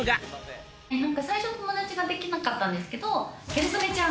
最初友達ができなかったんですけど、ギャル曽根ちゃん。